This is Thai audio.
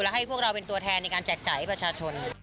ให้พวกเราเป็นตัวแทนในการแจกจ่ายให้ประชาชน